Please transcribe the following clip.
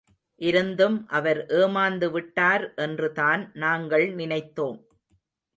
இருந்தும் அவர் ஏமாந்து விட்டார் என்றுதான் நாங்கள் நினைத்தோம்.